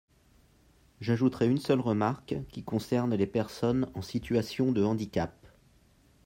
J’ajouterai une seule remarque, qui concerne les personnes en situation de handicap.